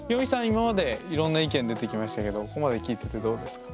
今までいろんな意見出てきましたけどここまで聞いててどうですか？